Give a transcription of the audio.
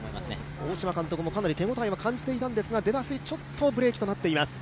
大島監督もかなり手応えを感じていたんですが、出だしでちょっとブレーキとなっています。